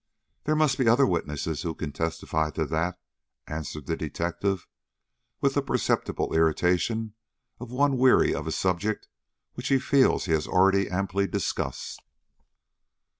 "There must be other witnesses who can testify to that," answered the detective, with the perceptible irritation of one weary of a subject which he feels he has already amply discussed.